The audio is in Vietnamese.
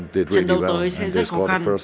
trận đấu tới sẽ rất khó khăn